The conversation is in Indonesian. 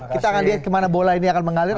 kita akan lihat kemana bola ini akan mengalir